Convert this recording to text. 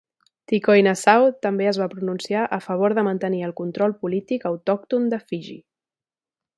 Tikoinasau també es va pronunciar a favor de mantenir el control polític autòcton de Fiji.